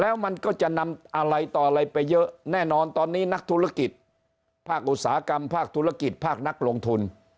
แล้วมันก็จะนำอะไรต่ออะไรไปเยอะแน่นอนตอนนี้นักธุรกิจภาคอุตสาหกรรมภาคธุรกิจภาคนักลงทุน